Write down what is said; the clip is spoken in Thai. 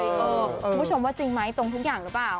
คุณผู้ชมว่าจริงไหมตรงทุกอย่างหรือเปล่า